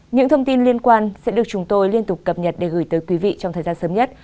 những thông tin liên quan sẽ được chúng tôi liên tục cập nhật để gửi tới quý vị trong thời gian sớm nhất